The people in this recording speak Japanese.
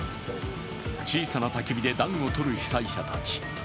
小さなたき火で暖を取る被災者たち。